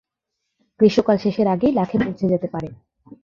গ্রীষ্মকাল শেষের আগেই লাখে পৌঁছে যেতে পারে।